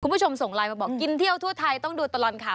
คุณผู้ชมส่งไลน์มาบอกกินเที่ยวทั่วไทยต้องดูตลอดข่าว